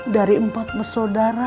dari empat bersaudara